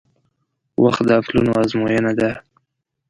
• وخت د عقلونو ازموینه ده.